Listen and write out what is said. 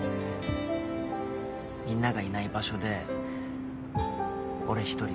みんながいない場所で俺一人で。